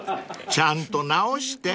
［ちゃんと治して］